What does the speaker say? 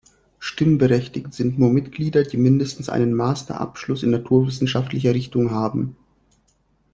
Stimmberechtigt sind nur Mitglieder, die mindestens einen Master-Abschluss in naturwissenschaftlicher Richtung haben.